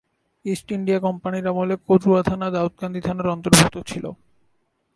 East India কোম্পানীর আমলে কচুয়া থানা দাউদকান্দি থানার অন্তর্ভুক্ত ছিল।